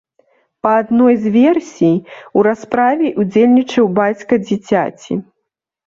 Па адной з версій, у расправе ўдзельнічаў бацька дзіцяці.